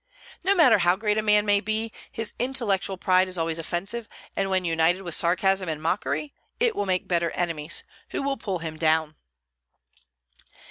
No matter how great a man may be, his intellectual pride is always offensive; and when united with sarcasm and mockery it will make bitter enemies, who will pull him down.